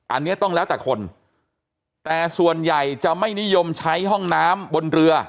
อันนี้ต้องแล้วแต่คนแต่ส่วนใหญ่จะไม่นิยมใช้ห้องน้ำบนเรือ